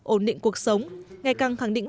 ổn định cuộc sống ngày càng khẳng định